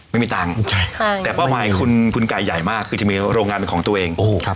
ไม่มีตังค์ใช่แต่เป้าหมายคุณคุณกายใหญ่มากคือจะมีโรงงานเป็นของตัวเองโอ้โหครับ